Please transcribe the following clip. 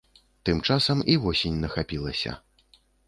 Тым часам і восень нахапілася.